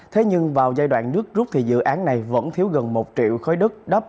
thế nhưng vào giai đoạn nước rút thì dự án này vẫn thiếu gần một triệu khối đất đắp